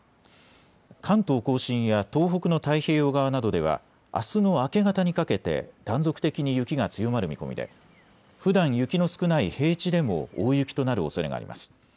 関東甲信や東北の太平洋側などでは、あすの明け方にかけて断続的に雪が強まる見込みで、ふだん雪の少ない平地でも大雪となるおそれがあります。